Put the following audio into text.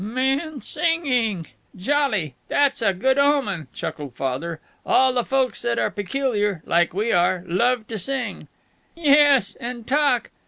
"Man singing! Jolly! That's a good omen," chuckled Father. "All the folks that are peculiar like we are love to sing." "Yes, and talk!"